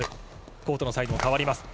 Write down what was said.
コートのサイドも変わります。